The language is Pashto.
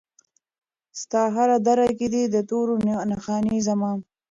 ستا هره دره کې دي د تورو نښانې زما